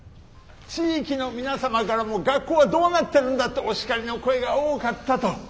地域の皆様からも学校はどうなってるんだってお叱りの声が多かったと。